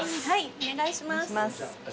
お願いします。